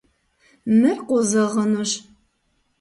Мыр къозэгъынущ.